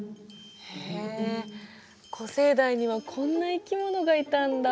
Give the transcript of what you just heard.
へえ古生代にはこんな生き物がいたんだ。